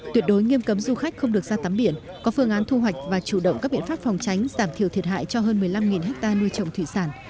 tuyệt đối nghiêm cấm du khách không được ra tắm biển có phương án thu hoạch và chủ động các biện pháp phòng tránh giảm thiểu thiệt hại cho hơn một mươi năm ha nuôi trồng thủy sản